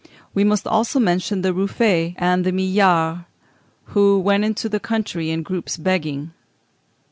We must also mention the ruffés and the millards, who went into the country in groups begging (Fig.